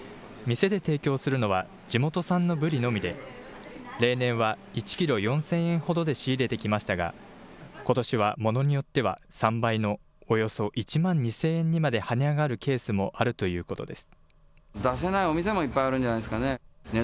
店で提供するのは地元産のブリのみで、例年は１キロ４０００円ほどで仕入れてきましたが、ことしはものによっては３倍のおよそ１万２０００円にまで跳ね上がるケースもあるということです。